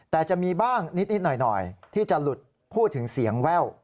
แต่จะมีบ้างนิดหน่อยที่จะหลุดพูดถึงเสียงแว่ว